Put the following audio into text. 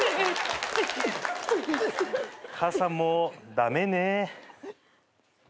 母さんも駄目ね。